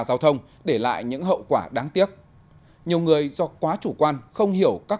giao thông để lại những hậu quả đáng tiếc nhiều người do quá chủ quan không hiểu các